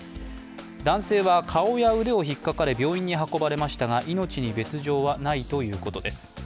男性は顔や腕を引っ掛かれ病院に運ばれましたが命に別状はないということです。